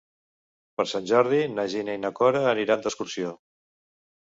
Per Sant Jordi na Gina i na Cora aniran d'excursió.